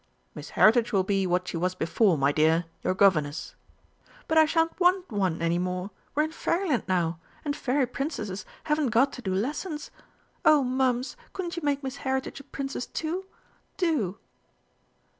"Miss Heritage will be what she was before, my dear your governess." "But I shan't want one any more we're in Fairyland now and Fairy Princesses haven't got to do lessons. Oh, Mums, couldn't you make Miss Heritage a Princess too? Do!"